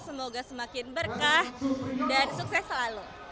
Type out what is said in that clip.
semoga semakin berkah dan sukses selalu